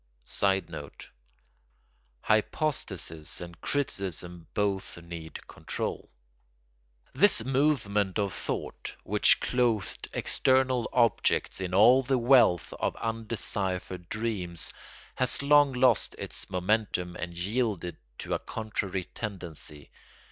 [Sidenote: Hypostasis and criticism both need control.] This movement of thought, which clothed external objects in all the wealth of undeciphered dreams, has long lost its momentum and yielded to a contrary tendency.